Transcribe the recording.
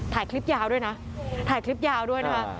ถ่ายคลิปยาวด้วยนะถ่ายคลิปยาวด้วยนะคะ